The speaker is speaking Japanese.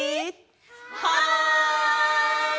はい！